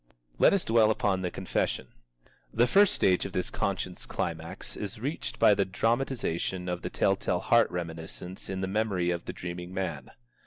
Let us dwell upon the confession. The first stage of this conscience climax is reached by the dramatization of The Tell tale Heart reminiscence in the memory of the dreaming man.